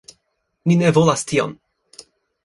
Ni ne volas tion!"